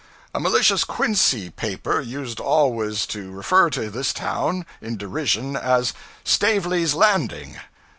A malicious Quincy paper used always to refer to this town, in derision as 'Stavely's Landing.'